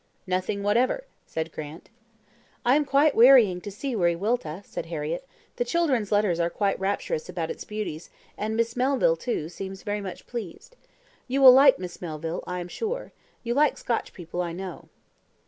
"Nothing whatever," said Grant. "I am quite wearying to see Wiriwilta," said Harriett: "the children's letters are quite rapturous about its beauties, and Miss Melville, too, seems very much pleased. You will like Miss Melville, I am sure. You like Scotch people, I know."